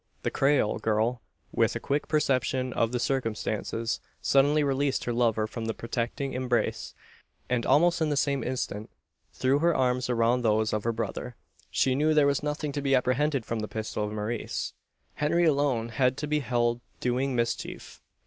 The Creole girl, with a quick perception of the circumstances, suddenly released her lover from the protecting embrace; and, almost in the same instant, threw her arms around those of her brother. She knew there was nothing to be apprehended from the pistol of Maurice. Henry alone had to be held doing mischief.